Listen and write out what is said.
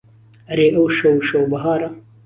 ئەرێ ئەوشەو شەو بەهارە